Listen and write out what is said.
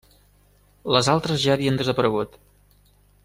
Les altres ja havien desaparegut.